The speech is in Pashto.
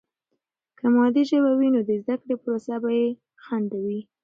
که مادي ژبه وي، نو د زده کړې پروسه به بې خنډه وي.